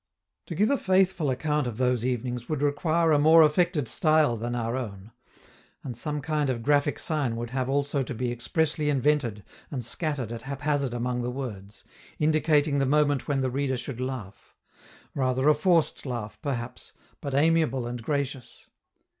To give a faithful account of those evenings would require a more affected style than our own; and some kind of graphic sign would have also to be expressly invented and scattered at haphazard among the words, indicating the moment when the reader should laugh rather a forced laugh, perhaps, but amiable and gracious.